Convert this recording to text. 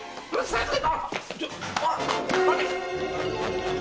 待て！